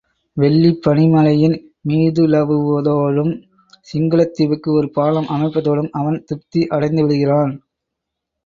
வெள்ளிப் பனிமலையின் மீதுலவுவதோடும், சிங்களத் தீவுக்கு ஒரு பாலம் அமைப்பதோடும் அவன் திருப்தி அடைந்துவிடுகிறான்.